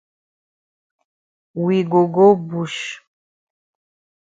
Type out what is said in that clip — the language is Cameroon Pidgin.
We go go bush.